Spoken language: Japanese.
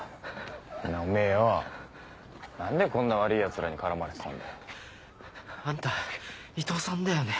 おめぇよ何でこんな悪いヤツらに絡まれてたんだよ。あんた伊藤さんだよね？